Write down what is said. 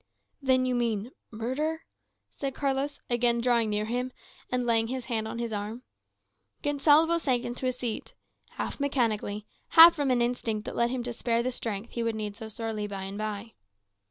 "Then you mean murder?" said Carlos, again drawing near him, and laying his hand on his arm. Gonsalvo sank into a seat, half mechanically, half from an instinct that led him to spare the strength he would need so sorely by and by.